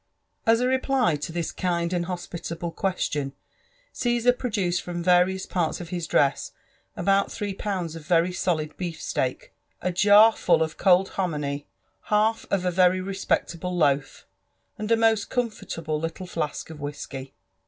As a reply to this kind and hospitable question, Caesar produced from various parts of his dress about three pounds of very solid beef steak, a jar full of cold hominy, half of a very respectable loaf, and a most comfortable little flask of whisky.